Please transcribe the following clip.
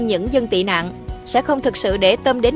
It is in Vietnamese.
những dân tị nạn sẽ không thực sự để tâm đến